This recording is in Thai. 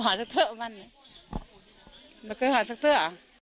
หันหน่อยมันพิวแหวะ